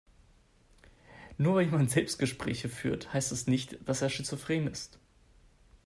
Nur weil jemand Selbstgespräche führt, heißt das nicht, dass er schizophren ist.